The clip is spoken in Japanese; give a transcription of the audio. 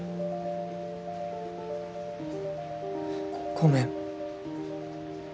ごめん。